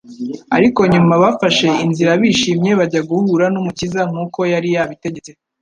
ariko nyuma bafashe inzira bishimye bajya guhura n'Umukiza nk'uko yari yabitegetse.'